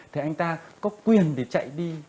thì anh ta có quyền để chạy đi